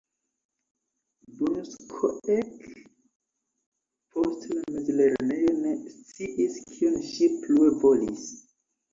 Bunskoek post la mezlernejo ne sciis kion ŝi plue volis.